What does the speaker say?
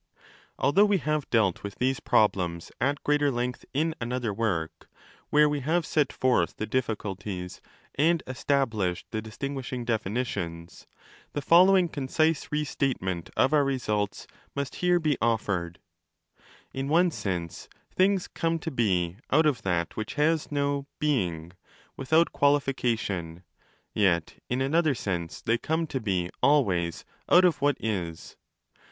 Although we have dealt with these problems at greater length in another work,} where we have set forth the difficulties and established the distinguishing definitions, the 15 following concise restatement of our results must here be offered :— In one sense things come to be out of that which has no 'being' without qualification: yet in another sense they come to be always out of 'what is'.